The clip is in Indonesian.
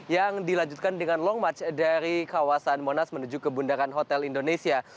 yang dilanjutkan dengan long march dari kawasan monas menuju ke bundaran hotel indonesia